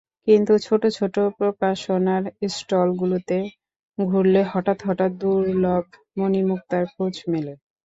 কিন্তু ছোট ছোট প্রকাশনার স্টলগুলোতে ঘুরলে হঠাৎ হঠাৎ দুর্লভ মণিমুক্তার খোঁজ মেলে।